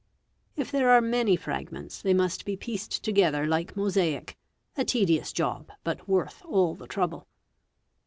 If there are many fragments, | they must be pieced together like mosaic, a tedious job but worth all " the trouble.